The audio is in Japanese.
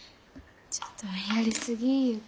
ちょっとやりすぎいうか。